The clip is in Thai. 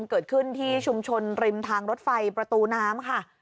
เกิดขึ้นที่ชุมชนริมทางรถไฟประตูน้ำค่ะ